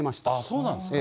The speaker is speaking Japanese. そうなんですか。